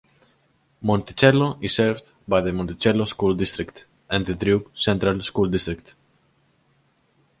Monticello is served by the Monticello School District and the Drew Central School District.